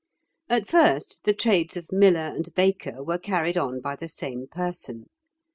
At first the trades of miller and baker were carried on by the same person (Figs. 74 and 75).